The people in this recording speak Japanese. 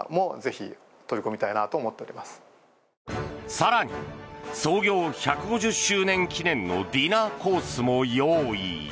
更に創業１５０周年記念のディナーコースも用意。